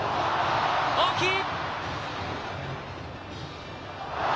大きい！